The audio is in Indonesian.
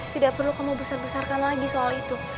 tidak perlu kamu besar besarkan lagi soal itu